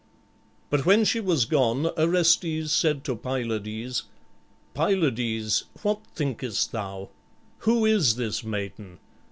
But when she was gone, Orestes said to Pylades, "Pylades, what thinkest thou? Who is this maiden?